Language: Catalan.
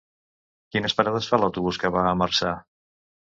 Quines parades fa l'autobús que va a Marçà?